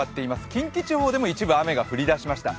近畿地方でも一部、雨が降り始めました。